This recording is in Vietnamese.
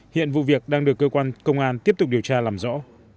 hiện vụ việc đang được cơ quan công an tiếp tục điều tra làm rõ